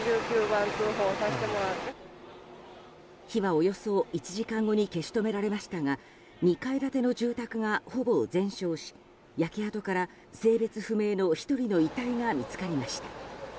火はおよそ１時間後に消し止められましたが２階建ての住宅がほぼ全焼し焼け跡から性別不明の１人の遺体が見つかりました。